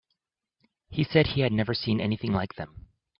He said he had never seen any like them.